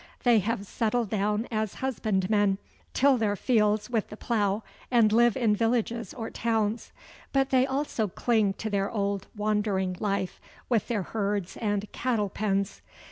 They have settled down as husbandmen, till their fields with the plough, and live in villages or towns. But they also cling to their old wandering life, with their herds and "cattle pens."